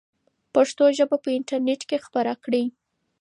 پښتو ژبه په انټرنیټ کې خپره کړئ.